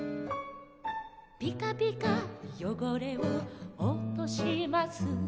「ピカピカ汚れをおとします」